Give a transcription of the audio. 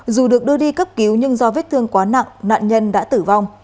dù được đưa đi cấp cứu nhưng do vết thương quá nặng nạn nhân đã tử vong